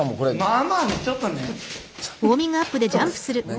まあまあちょっとね。